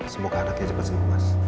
semoga anaknya cepet cepet mas